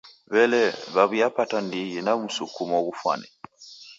W'elee, waw'iapata ndighi na msukumo ghufwane?